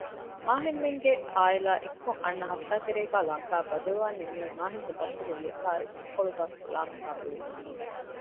މާހިންމެންގެ އާއިލާ އެއްކޮށް އަންނަ ހަފްތާތެރޭގައި ލަންކާއަށް ބަދަލުވާން ނިންމީ މާހިންގެ ބައްޕަގެ ވިޔަވާރި އެކޮޅުގައި ފުޅާވުމާ ގުޅިގެން